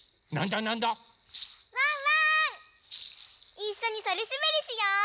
いっしょにそりすべりしよう！